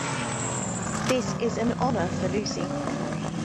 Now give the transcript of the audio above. This is an honour for Lucy.